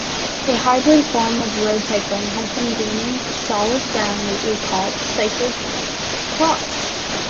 A hybrid form of road cycling has been gaining solid ground lately called Cyclo-cross.